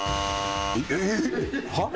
えっ！？